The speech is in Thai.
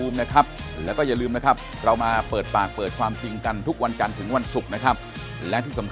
ไม่ใช่ค่ะ